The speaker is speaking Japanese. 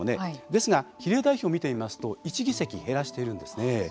ですが、比例代表を見てみますと１議席減らしているんですよね。